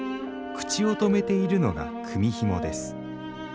口を留めているのが組みひもです。